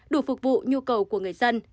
đủ phục vụ nhu cầu của người dân